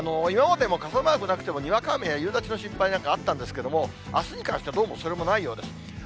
今までも傘マークなくてもにわか雨や夕立の心配なんかあったんですけれども、あすに関しては、どうもそれもないようです。